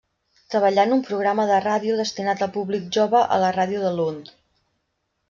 Treballà en un programa de ràdio destinat al públic jove a la ràdio de Lund.